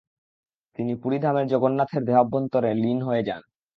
তিনি পুরীধামের জগন্নাথের দেহাভ্যন্তরে লীন হয়ে যান।